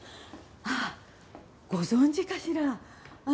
ああご存じかしら？